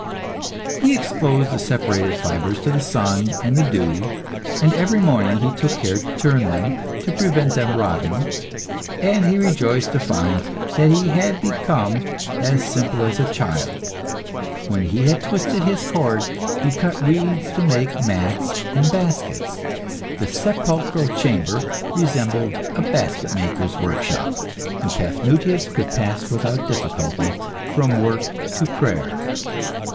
He exposed the separated fibres to the sun and the dew, and every morning he took care to turn them, to prevent them rotting; and he rejoiced to find that he had become as simple as a child. When he had twisted his cord, he cut reeds to make mats and baskets. The sepulchral chamber resembled a basket maker's workshop, and Paphnutius could pass without difficulty from work to prayer.